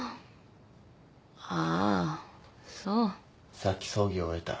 さっき葬儀を終えた。